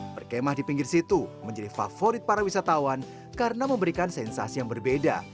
berkemah di pinggir situ menjadi favorit para wisatawan karena memberikan sensasi yang berbeda